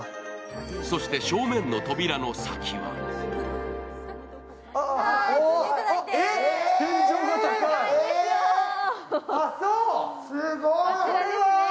そして正面の扉の先は天井が高い！